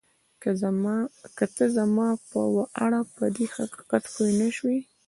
که ته زما په اړه پدې حقیقت پوه نه شې